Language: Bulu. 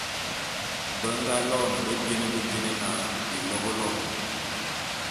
Be nga loene bebiene bebiene na, Bilobôlobô.